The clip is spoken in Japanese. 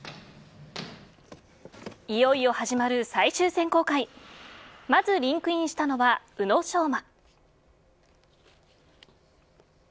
いよいよ始まる最終選考会まずリンクインしたのは宇野昌磨。